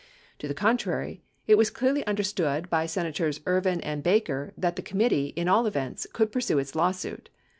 To the contrary, it was clearly understood by Senator's Ervin and Baker that the com mittee, in all events, could pursue its lawsuit.